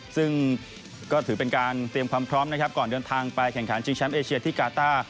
ซึ่งก็ถือเป็นการเตรียมความพร้อมนะครับก่อนเดินทางไปแข่งขันชิงแชมป์เอเชียที่กาต้า